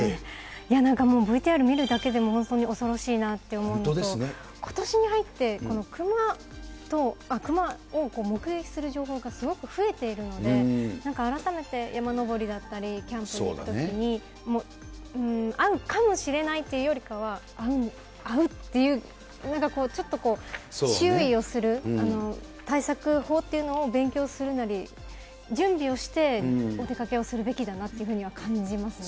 いやなんか、もうＶＴＲ見るだけでも本当に恐ろしいなって思うのと、ことしに入って、熊を目撃する情報ってすごく増えているので、なんか改めて、山登りだったり、キャンプに行くときに、会うかもしれないというよりかは、遭うっていう、なんかこう、ちょっとこう、注意をする、対策法というのを勉強するなり、準備をしてお出かけをするべきだなというふうには感じますね。